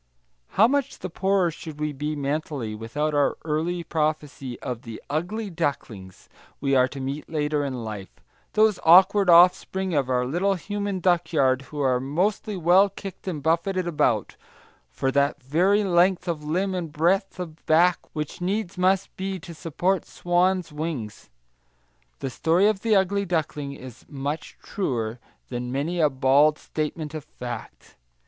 How much the poorer should we be, mentally, without our early prophecy of the "ugly ducklings" we are to meet later in life! those awkward offspring of our little human duckyard who are mostly well kicked and buffeted about, for that very length of limb and breadth of back which needs must be, to support swan's wings. The story of the ugly duckling is much truer than many a bald statement of fact.